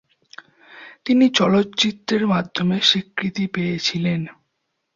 তিনি চলচ্চিত্রের মাধ্যমে স্বীকৃতি পেয়েছিলেন।